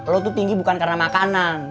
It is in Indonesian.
lo tuh tinggi bukan karena makanan